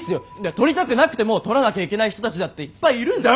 とりたくなくてもとらなきゃいけない人たちだっていっぱいいるんすから。